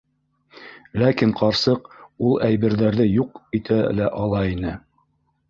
Ләкин ҡарсыҡ ул әйберҙәрҙе юҡ итә лә ала ине...